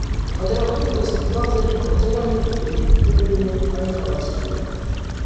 Թատերախումբն ստիպված էր փորձեր անել ու ելույթներ ունենալ այլ տարածքներում։